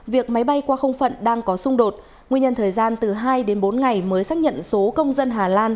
việc máy bay qua không phận đang có xung đột nguyên nhân thời gian từ hai đến bốn ngày mới xác nhận số công dân hà lan